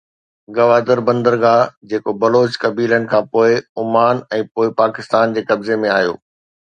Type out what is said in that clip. گوادر بندرگاهه جيڪو بلوچ قبيلن کان پوءِ عمان ۽ پوءِ پاڪستان جي قبضي ۾ آيو